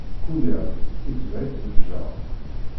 Kul iḍ, itbeɛ-it lefjer.